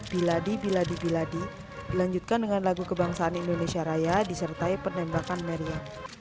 biladi biladi biladi dilanjutkan dengan lagu kebangsaan indonesia raya disertai penembakan meriam